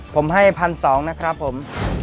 ผมให้๑๒๐๐นะครับผม